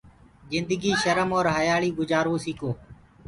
جندگي شرم اور هيآݪي گجآروو سيڪو